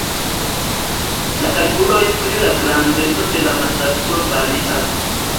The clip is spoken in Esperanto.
La kalkuloj pri la grandeco de la masakro varias.